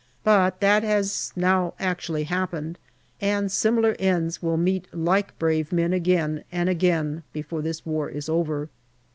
But that has now actually happened, and similar ends will meet like brave men again and again before this war is over.